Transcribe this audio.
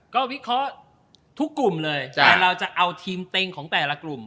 ก็วิเคราะห์ทุกกลุ่มเลยแต่เราจะเอาทีมเต็งของแต่ละกลุ่ม